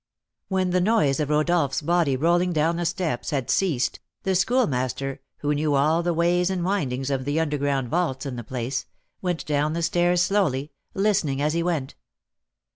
When the noise of Rodolph's body rolling down the steps had ceased, the Schoolmaster, who knew all the ways and windings of the underground vaults in the place, went down the stairs slowly, listening as he went.